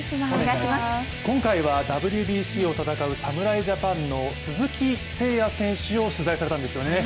今回はＷＢＣを戦う侍ジャパンの鈴木誠也選手を取材されたんですよね？